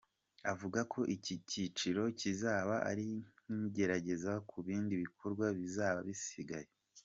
Avuga ko iki cyiciro kizaba ari nk’igerageza ku bindi bikorwa bizaba bisigaye.